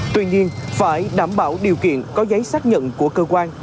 tuy nhiên phải đảm bảo điều kiện có giấy xác nhận của cơ quan